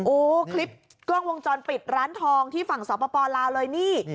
คลิปกล้องวงจรปิดร้านทองที่ฝั่งสปลาวเลยนี่